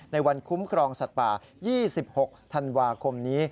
ในวันคุ้มครองสัตว์ป่า๒๖ธันวาคมนี้